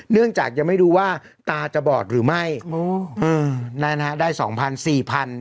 เนื่องจากยังไม่รู้ว่าตาจะบอดหรือไม่โอ้อืมนั่นนะฮะได้สองพันสี่พัน